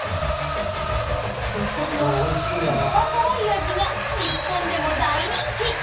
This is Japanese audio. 独特のすっぱ辛い味が日本でも大人気！